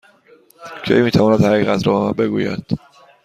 کی می تواند حقیقت را به من بگوید؟